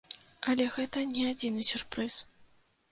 Але гэта не адзіны сюрпрыз.